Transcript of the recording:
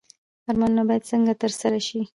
ارمانونه باید څنګه ترسره شي؟